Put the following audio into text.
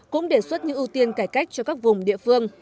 cũng đề xuất những ưu tiên cải cách cho các vùng địa phương